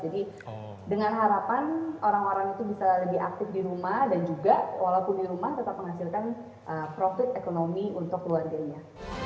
jadi dengan harapan orang orang itu bisa lebih aktif di rumah dan juga walaupun di rumah tetap menghasilkan profit ekonomi untuk keluarganya